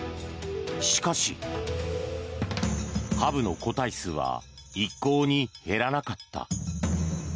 しかし、ハブの個体数は一向に減らなかった。